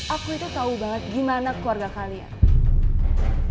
aku itu tahu banget gimana keluarga kalian